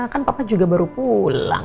kan papa juga baru pulang